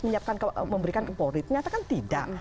memberikan ke polri ternyata kan tidak